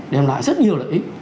đem lại rất nhiều lợi ích